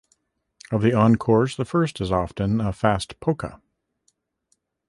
Of the encores, the first is often a fast polka.